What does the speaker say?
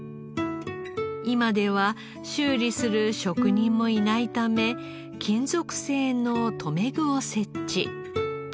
今では修理する職人もいないため金属製の留め具を設置。